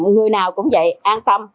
người nào cũng vậy an tâm